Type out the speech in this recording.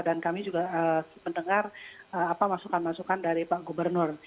dan kami juga mendengar masukan masukan dari pak gubernur